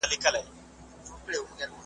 د دې مبارکې ورځي ,